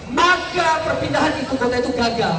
maka perpindahan ibu kota itu gagal